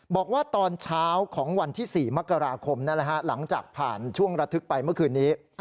บอกว่าตอนเช้าของวันที่๔มกราคมหลังจากผ่านช่วงระทึกไปเมื่อคืนนี้